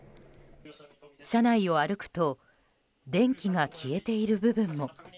車内を歩くと電気が消えている部分も。